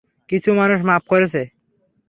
কিছু মানুষ মাফ করেছে।